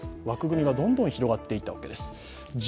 枠組みがどんどん広がっていったわけです。